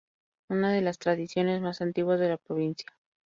Una de las tradiciones más antiguas de la provincia.